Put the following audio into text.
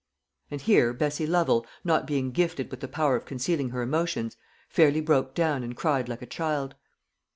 And here Bessie Lovel, not being gifted with the power of concealing her emotions, fairly broke down and cried like a child.